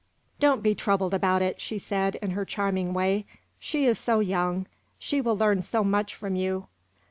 "Don't be troubled about it," she said, in her charming way. "She is so young she will learn so much from you!"